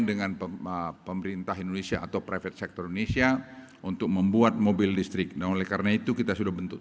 dengan pemerintah indonesia atau private sector indonesia untuk membuat mobil listrik dan oleh karena itu kita sudah bentuk